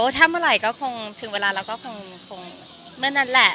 ถ้าเมื่อไหร่ก็คงถึงเวลาแล้วก็คงเมื่อนั้นแหละ